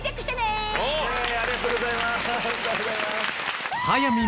ありがとうございます！